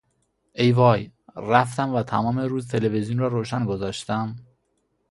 ای وای! رفتم و تمام روز تلویزیون را روشن گذاشتم؟